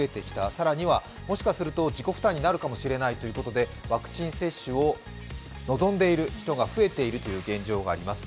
更には、もしかしたら自己負担になるかもしれないということで、ワクチン接種を望んでいる人が増えている現状があります。